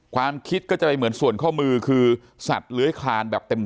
ความคิดก็จะไปเหมือนส่วนข้อมือคือสัตว์เลื้อยคลานแบบเต็ม